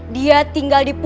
dia tinggal di rumahku